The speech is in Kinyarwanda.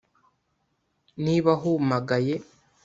niba humagaye